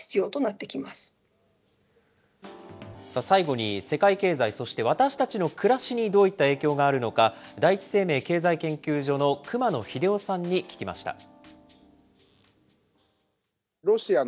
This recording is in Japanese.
最後に、世界経済、そして私たちの暮らしにどういった影響があるのか、第一生命経済研究所の熊野英生さんに聞きました。